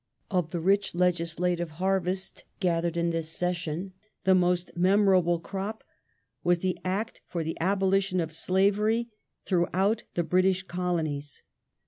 Of the rich legislative ^b°l^*^°" harvest gathered in this session the most memorable crop was the Act for the " abolition of slavery throughout the British Colonies